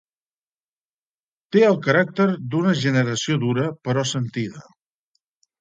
Té el caràcter d’una generació dura però sentida.